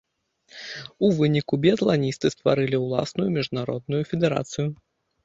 У выніку біятланісты стварылі ўласную міжнародную федэрацыю.